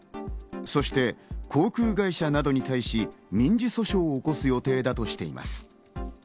そして航空会社などに対し、民事訴訟を起こす予定だとしています。